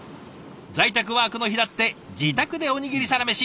在宅ワークの日だって自宅でおにぎりサラメシ。